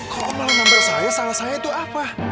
kok om mal member saya salah saya itu apa